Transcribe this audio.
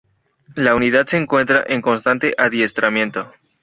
La unidad se encuentra en constante adiestramiento.